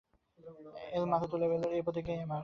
এলা মাথা তুলে বললে এই প্রতিজ্ঞাই আমার।